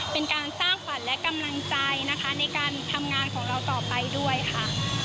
เป็นการสร้างขวัญและกำลังใจนะคะในการทำงานของเราต่อไปด้วยค่ะ